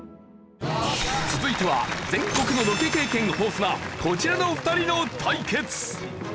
続いては全国のロケ経験豊富なこちらの２人の対決。